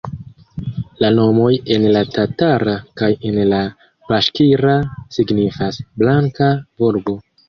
La nomoj en la tatara kaj en la baŝkira signifas "blanka Volgo".